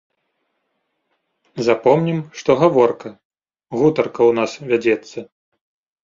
Запомнім, што гаворка, гутарка, у нас вядзецца.